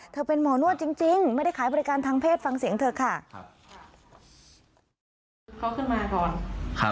เป็นหมอนวดจริงไม่ได้ขายบริการทางเพศฟังเสียงเธอค่ะ